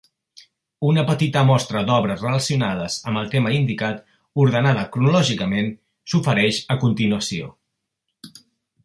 Una petita mostra d’obres relacionades amb el tema indicat, ordenada cronològicament, s’ofereix a continuació.